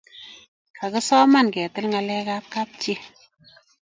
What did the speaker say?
Kagisoman ketil ngalekab kapchii